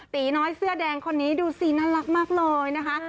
ตีน้อยเสื้อแดงคนนี้ดูสิน่ารักมากเลยนะคะ